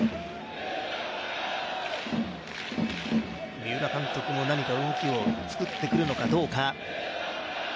三浦監督も何か動きを作ってくるのかどうか。